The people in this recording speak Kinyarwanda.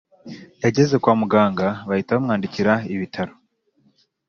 yageze kwa muganga bahita bamwandikira ibitaro